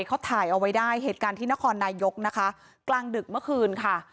เขาถ่ายเอาไว้ได้เหตุการณ์ที่นครนายกนะคะกลางดึกเมื่อคืนค่ะ